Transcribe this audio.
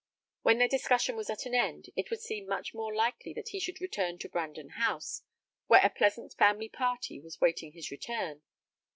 When their discussion was at an end, it would seem much more likely that he should return to Brandon House, where a pleasant family party was waiting his return.